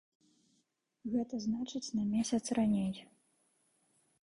Гэта значыць на месяц раней.